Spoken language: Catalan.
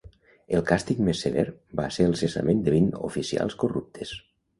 El càstig més sever va ser el cessament de vint oficials corruptes.